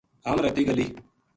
ہم رَتی گلی